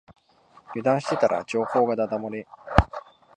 油断してたら情報がだだ漏れ